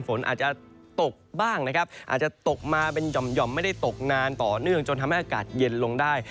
ฝนอาจจะตกบ้างนะครับอาจจะตกมาเป็นหย่อมไม่ได้ตกนานต่อเนื่องจนทำให้อากาศเย็นลงได้